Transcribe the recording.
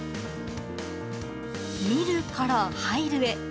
見るから入るへ。